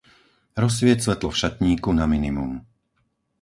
Rozsvieť svetlo v šatníku na minimum.